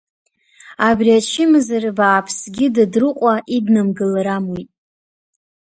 Абри ачымазара бааԥсгьы Дадрыҟәа иднамгалар амуит.